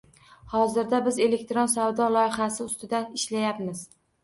Hozirda biz elektron savdo loyihasi ustida ishlayapmiz